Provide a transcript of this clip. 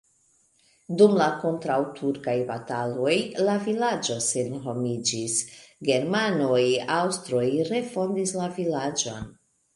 Dum la kontraŭturkaj bataloj la vilaĝo senhomiĝis, germanoj-aŭstroj refondis la vilaĝon.